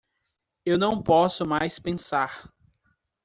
Eu não posso mais pensar.